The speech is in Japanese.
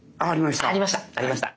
ありました。